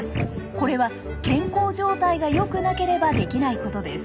これは健康状態が良くなければできないことです。